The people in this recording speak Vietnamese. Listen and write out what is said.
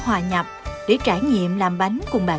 để hòa nhập để trải nghiệm làm bánh cùng bà con